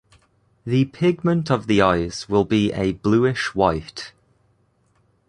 The pigment of the eyes will be a bluish white.